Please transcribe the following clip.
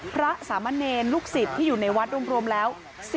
พระสามเณรลูกศิษย์ที่อยู่ในวัดรวมแล้ว